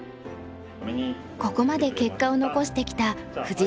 ここまで結果を残してきた藤澤流の指導法。